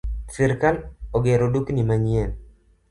Sirkal ogero dukni manyien